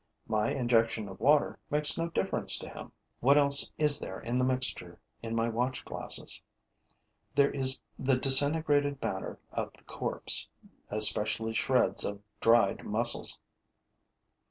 My injection of water makes no difference to him. What else is there in the mixture in my watch glasses? There is the disintegrated matter of the corpse, especially shreds of dried muscles.